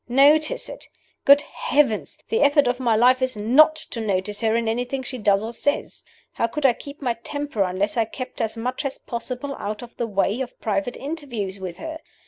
Notice it! Good Heavens! The effort of my life is not to notice her in anything she does or says. How could I keep my temper, unless I kept as much as possible out of the way of private interviews with her?